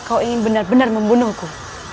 kau ingin benar benar membunuhku